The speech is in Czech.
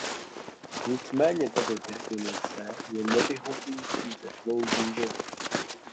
Nicméně tato definice je nevyhovující ze dvou důvodů.